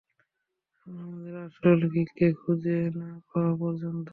আমরা আমাদের আসল গিককে খুঁজে না পাওয়া পর্যন্ত।